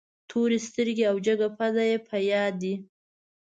تورې سترګې او جګه پزه یې په یاد دي.